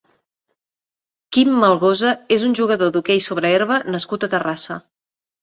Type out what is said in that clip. Quim Malgosa és un jugador d'hoquei sobre herba nascut a Terrassa.